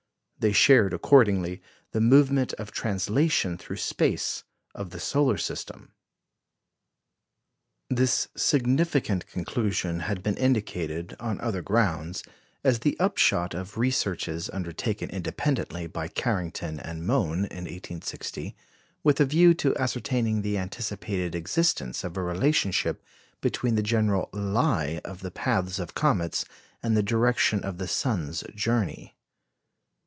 They shared, accordingly, the movement of translation through space of the solar system. This significant conclusion had been indicated, on other grounds, as the upshot of researches undertaken independently by Carrington and Mohn in 1860, with a view to ascertaining the anticipated existence of a relationship between the general lie of the paths of comets and the direction of the sun's journey.